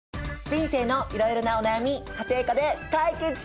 人生のいろいろなお悩み家庭科で解決しよう！